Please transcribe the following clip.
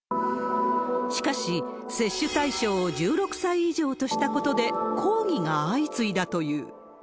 しかし、接種対象を１６歳以上としたことで、抗議が相次いだという。